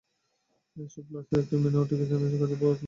এসব ফ্লাশের একটি মিনাও টেনেছে, কাজের বুয়া কলি বেগমের হাত-পা ধরে।